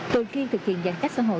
từ khi thực hiện giãn cách xã hội